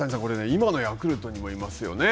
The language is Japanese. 今のヤクルトにもいますよね。